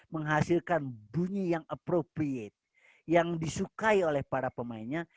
menghasilkan bunyi yang appropriate yang disukai oleh para pemainnya